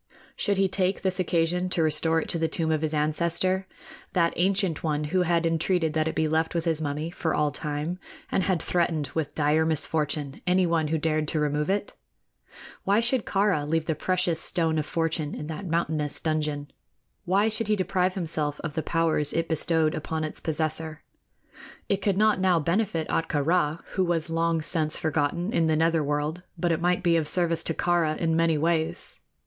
Should he take this occasion to restore it to the tomb of his ancestor that ancient one who had entreated that it be left with his mummy for all time, and had threatened with dire misfortune anyone who dared to remove it? Why should Kāra leave the precious Stone of Fortune in that mountainous dungeon? Why should he deprive himself of the powers it bestowed upon its possessor? It could not now benefit Ahtka Rā, who was long since forgotten in the nether world; but it might be of service to Kāra in many ways.